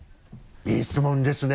いい質問ですね。